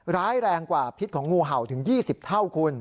ร้ายแรงกว่าพิษของงูเห่าถึง๒๐เท่าคุณ